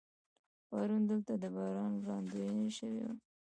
پرون دلته د باران وړاندوینه شوې وه.